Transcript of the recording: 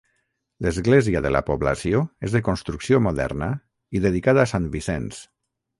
L'església de la població és de construcció moderna i dedicada a Sant Vicenç.